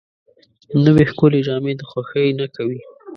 نوې ښکلې جامې د خوښۍ نښه وي